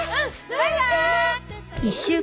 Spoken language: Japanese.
バイバーイ！